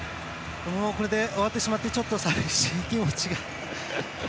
終わってしまってちょっと寂しい気持ちが。